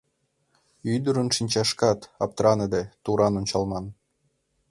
Ӱдырын шинчашкат аптыраныде, туран ончалман.